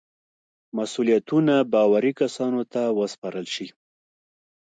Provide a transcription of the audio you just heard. مسئولیتونه باوري کسانو ته وسپارل شي.